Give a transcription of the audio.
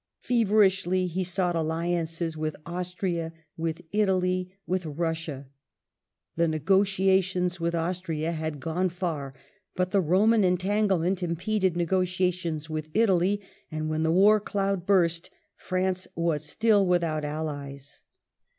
^ Feverishly he sought alliances with Austria, with Italy, with Russia. The negotiations with Austria had gone far, but the Roman entanglement impeded negotiations with Italy, and when the war cloud burst France wais still without allies.